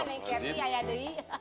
nek kenty ayah dei